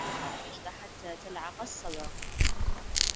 لن تبلغ المجد حتى تلعق الصبر